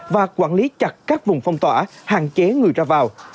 và quản lý chặt các vùng phong tỏa hạn chế người ra vào